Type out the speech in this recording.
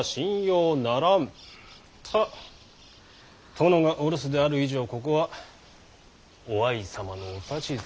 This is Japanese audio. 殿がお留守である以上ここは於愛様のお指図。